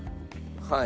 はい。